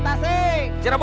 tasik tasik tasik